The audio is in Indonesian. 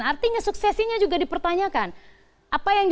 artinya suksesinya juga dipertanyakan